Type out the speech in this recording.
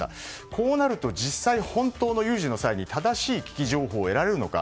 こうなると、実際本当の有事の際に正しい危機情報を得られるのか。